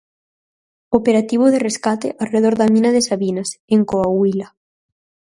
Operativo de rescate arredor da mina de Sabinas, en Coahuila.